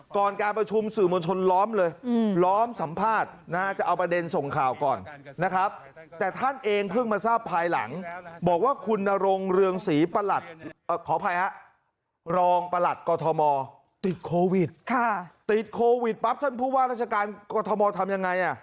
กรทมติดโควิดติดโควิดปั๊บท่านพูดว่าราชการกรทมทำยังไง